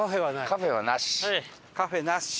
カフェはなし。